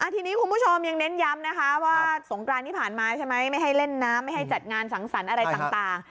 ทีนี้คุณผู้ชมยังเน้นย้ำนะคะว่าสงกรานที่ผ่านมาใช่ไหมไม่ให้เล่นน้ำไม่ให้จัดงานสังสรรค์อะไรต่าง